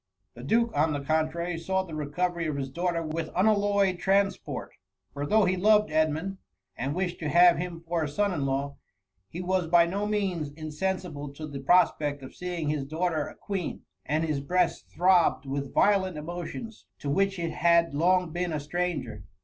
The duke, on the contrary, saw the recovery of his daughter with unalloyed transport, for though he loved Edmund, and wished to have him fen: a son in law, he was by no means in sensible to the prospect of seeing his daughter a Queen, and his breast throbbed with violent emotions, to which it had long been a stranger.